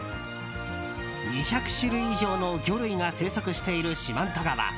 ２００種類以上の魚類が生息している四万十川。